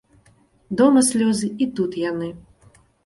Дома слёзы, і тут яны.